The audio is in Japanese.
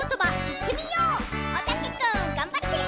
おたけくんがんばって！